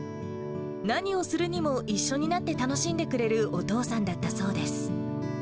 何をするにも一緒になって楽しんでくれるお父さんだったそうです。